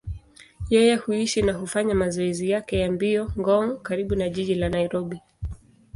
Yeye huishi na hufanya mazoezi yake ya mbio Ngong, karibu na jiji la Nairobi.